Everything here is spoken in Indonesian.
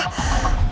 aku mau ke rumah